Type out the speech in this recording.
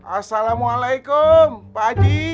assalamualaikum pak ji